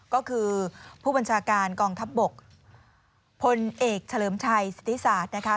ก็คือผู้บัญชาการกองทัพบกพลเอกเฉลิมชัยสิทธิศาสตร์นะคะ